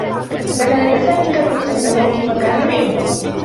كان لدى سامي كلب اسمه روكي و كان يحبّه.